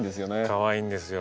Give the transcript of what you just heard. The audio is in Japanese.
かわいいんですよ。